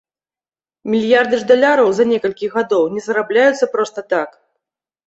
Мільярды ж даляраў за некалькі гадоў не зарабляюцца проста так.